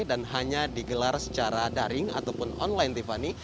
dan hanya digelar secara daring ataupun online tiffany